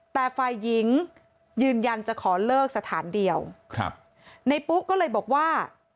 แต่ฝ่ายหญิงยืนยันจะขอเลิกสถานเดียวครับในปุ๊ก็เลยบอกว่า